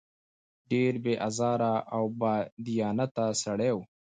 ډېر بې آزاره او بادیانته سړی و.